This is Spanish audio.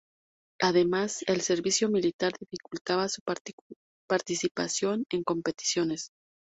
Además, el servicio militar dificultaba su participación en competiciones.